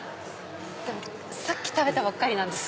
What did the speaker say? さっき食べたばっかりなんです。